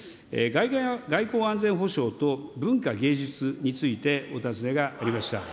外交・安全保障と文化芸術についてお尋ねがありました。